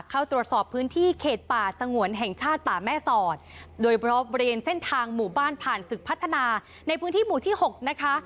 เข้าตรวจสอบพื้นที่เขตป่าสงวนแห่งชาติป่าแม่สอดโดยเพราะบริเวณเส้นทางหมู่บ้านผ่านศึกพัฒนาในพื้นที่หมู่ที่หกนะคะ